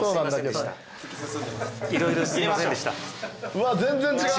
うわっ全然違う。